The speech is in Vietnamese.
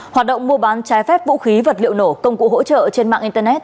hoạt động mua bán trái phép vũ khí vật liệu nổ công cụ hỗ trợ trên mạng internet